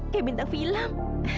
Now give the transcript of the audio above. kayak bintang film